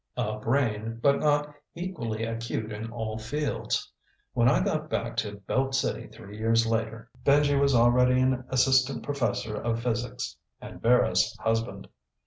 A brain, but not equally acute in all fields. When I got back to Belt City three years later, Benji was already an assistant professor of physics and Vera's husband.